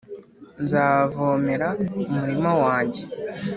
nzavomera umurima wanjye»;